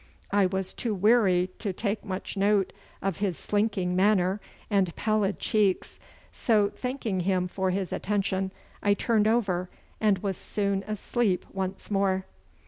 I was too weary to take much note of his slinking manner and pallid cheeks, so thanking him for his attention, I turned over and was soon asleep once more.